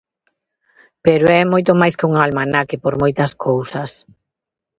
Pero é moito máis que un almanaque, por moitas cousas.